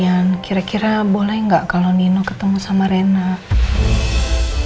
jadi tadi malam mama sempat lihat kalau nino itu berkali kali dengerin suara nyai rena di hp dia